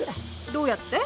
どうやって？